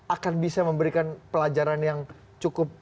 akan bisa memberikan pelajaran yang cukup